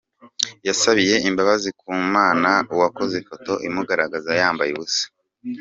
yasabiye imbabazi ku Mana uwakoze ifoto imugaragaza yambaye ubusa